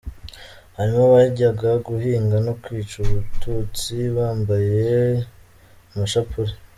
Hari abajyaga guhiga no kwica Abatutsi bambaye amashapure.